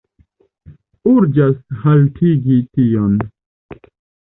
Urĝas haltigi tion.